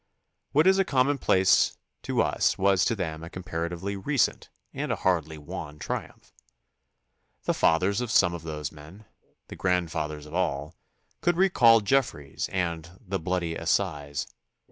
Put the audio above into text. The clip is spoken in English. What is a com monplace to us was to them a comparatively recent and a hardly won triumph. The fathers of some of those men — the grandfathers of all — could recall Jeffreys and the "Bloody Assize."